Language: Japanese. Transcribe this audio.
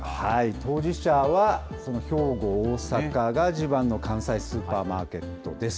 当事者は、兵庫、大阪が地盤の関西スーパーマーケットです。